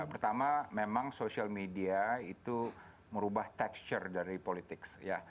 pertama memang social media itu merubah tekstur dari politik ya